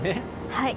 はい。